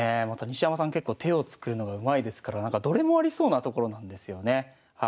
また西山さん結構手を作るのがうまいですからどれもありそうなところなんですよね。